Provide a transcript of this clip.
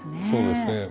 そうですね。